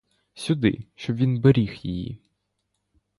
Сюди, щоб він беріг її.